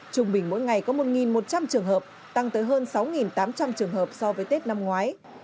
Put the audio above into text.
trung bình mỗi ngày có một một trăm linh trường hợp tăng tới hơn sáu tám trăm linh trường hợp so với tết năm ngoái